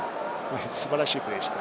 素晴らしいプレーでした。